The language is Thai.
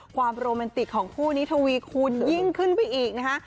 ความโรแมนติกของคู่นี้ทวีคูณยิ่งขึ้นไปอีกนะคะ